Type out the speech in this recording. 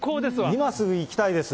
今すぐ行きたいです。